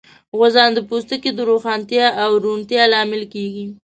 غوزان د پوستکي د روښانتیا او روڼتیا لامل کېږي.